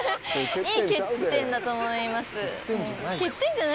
いい欠点だと思います。